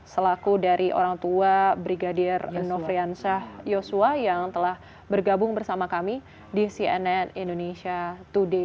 selaku dari orang tua brigadir nofriansah yosua yang telah bergabung bersama kami di cnn indonesia today